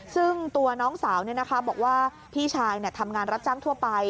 ซึ่งตัวน้องสาวบอกว่าพี่ชายทำงานรับจ้างทั่วไป